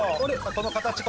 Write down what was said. この形！